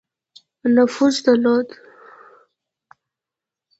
نفوذ درلود.